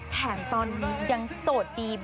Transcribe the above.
แถมตอนนี้ยังโสดดี